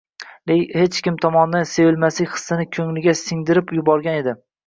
hech kim tomonidan sevilmaslik hissini ko'ngliga sing dirib yuborgan edi.